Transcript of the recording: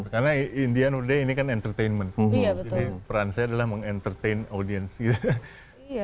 karena indian uday ini kan entertainment jadi peran saya adalah menge entertain audience gitu